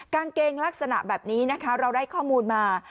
กางเกงลักษณะแบบนี้นะคะเราได้ข้อมูลมา